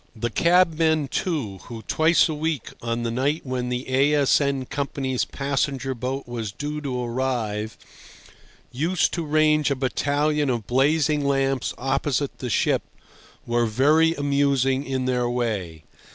The cabmen, too, who twice a week, on the night when the A.S.N. Company's passenger boat was due to arrive, used to range a battalion of blazing lamps opposite the ship, were very amusing in their way.